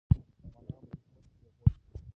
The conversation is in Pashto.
افغانان به دښمن ته پېغور ورکوي.